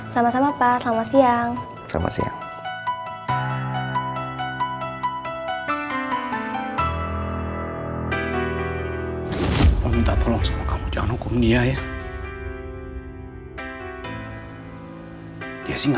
sama sama pak selamat siang